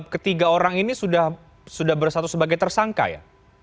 ketiga orang ini sudah bersatu sebagai tersangka ya